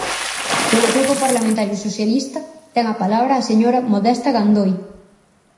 Polo Grupo Parlamentario Socialista, ten a palabra a señora Modesta Gandoi.